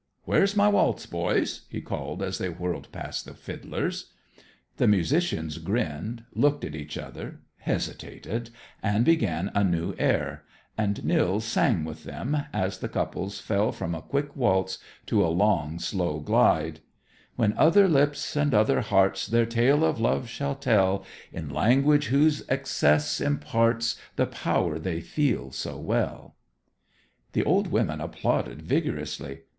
Where's my waltz, boys?" he called as they whirled past the fiddlers. The musicians grinned, looked at each other, hesitated, and began a new air; and Nils sang with them, as the couples fell from a quick waltz to a long, slow glide: "_When other lips and other hearts Their tale of love shall tell, In language whose excess imparts The power they feel so well,_" The old women applauded vigorously.